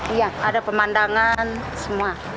iya ada pemandangan semua